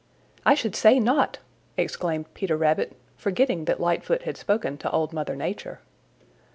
"I should say not!" exclaimed Peter Rabbit forgetting that Lightfoot had spoken to Old Mother Nature.